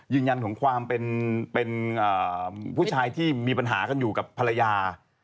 ยืนยันของความเป็นผู้ชายที่มีปัญหากันอยู่กับภรรยา